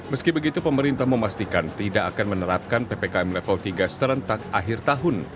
meski begitu pemerintah memastikan tidak akan menerapkan ppkm level tiga serentak akhir tahun